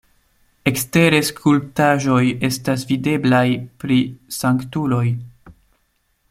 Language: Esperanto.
Ekstere skulptaĵoj estas videblaj pri sanktuloj.